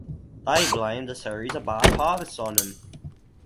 They blamed a series of bad harvests on him.